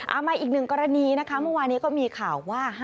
มาอีกหนึ่งกรณีนะคะเมื่อวานี้ก็มีข่าวว่า